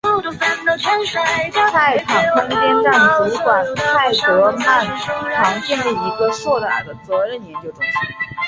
泰坦空间站主管泰德曼旁建立了一个硕大的责任研究中心。